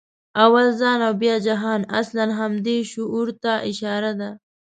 «اول ځان او بیا جهان» اصلاً همدې شعور ته اشاره ده.